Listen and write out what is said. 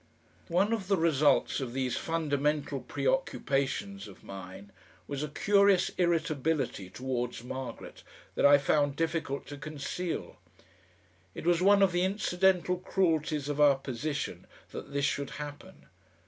One of the results of these fundamental preoccupations of mine was a curious irritability towards Margaret that I found difficult to conceal. It was one of the incidental cruelties of our position that this should happen.